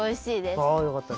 あよかったです。